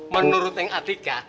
menurut neng atika